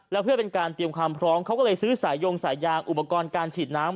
แล้วเพื่อเป็นการเตรียมความพร้อมเขาก็เลยซื้อสายยงสายยางอุปกรณ์การฉีดน้ำ